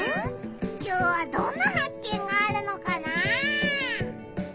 きょうはどんなはっ見があるのかな？